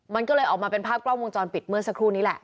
มันก็เลยออกมาเป็นภาพกล้องวงจรปิดเมื่อสักครู่นี้แหละ